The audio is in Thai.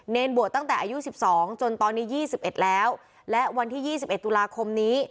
บวชตั้งแต่อายุ๑๒จนตอนนี้๒๑แล้วและวันที่๒๑ตุลาคมนี้